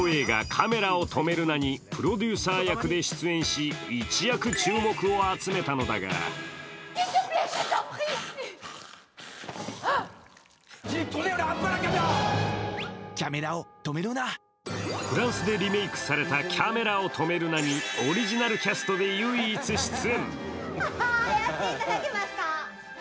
「カメラを止めるな！」にプロデューサー役で出演し一躍注目を集めたのだがフランスでリメークされた「キャメラを止めるな！」にオリジナルキャストで唯一出演。